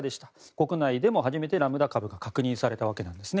国内でも初めてラムダ株が確認されたわけなんですね。